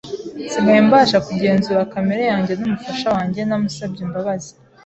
Nsigaye mbasha kugenzura kamere yanjye n’umufasha wanjye namusabye imbabazi.